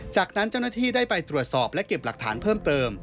จากนั้นเจ้าหน้าที่ได้ไปตรวจสอบและเก็บหลักฐานเพิ่มเติม